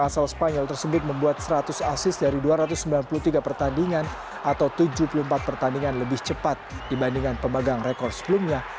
asal spanyol tersebut membuat seratus asis dari dua ratus sembilan puluh tiga pertandingan atau tujuh puluh empat pertandingan lebih cepat dibandingkan pemegang rekor sebelumnya